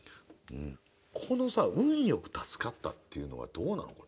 このさ「運よく助かった」っていうのはどうなのかね。